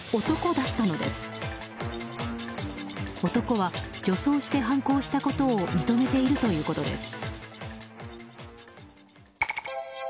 男は女装して犯行したことを認めているということです。